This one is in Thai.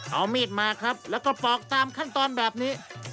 เอามีดมาครับแล้วก็ปอกตามขั้นตอนแบบนี้